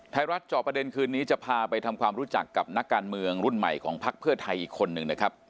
จอบประเด็นคืนนี้จะพาไปทำความรู้จักกับนักการเมืองรุ่นใหม่ของพักเพื่อไทยอีกคนนึงนะครับ